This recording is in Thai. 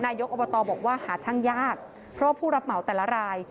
นายกอบตบอกว่าหาช่างยากเพราะว่าผู้รับเหมาแต่ละราย